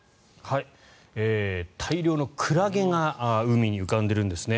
大量のクラゲが海に浮かんでいるんですね。